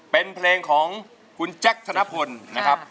เป็นเพลงของคุณแจ็คธนพลนะครับ